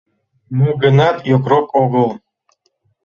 Мо-гынат, йокрок огыл.